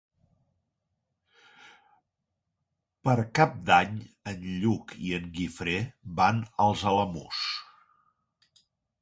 Per Cap d'Any en Lluc i en Guifré van als Alamús.